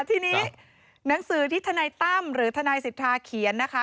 ทีนี้หนังสือที่ทนายตั้มหรือทนายสิทธาเขียนนะคะ